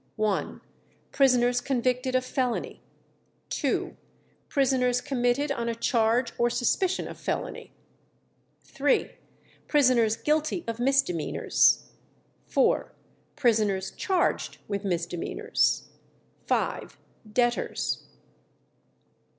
1. Prisoners convicted of felony. 2. Prisoners committed on a charge or suspicion of felony. 3. Prisoners guilty of misdemeanours. 4. Prisoners charged with misdemeanours. 5. Debtors.